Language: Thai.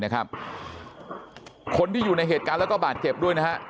คนที่อยู่ในเหตุการณ์แล้วก็บาดเจ็บด้วยนะฮะ